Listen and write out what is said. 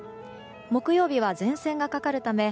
木曜日は前線がかかるため